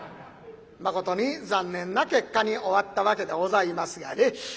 誠に残念な結果に終わったわけでございますがね。